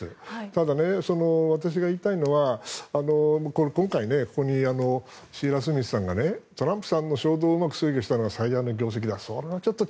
ただ、私が言いたいのは今回、シーラ・スミスさんがトランプさんの衝動をうまく制御したのが最大の業績だと。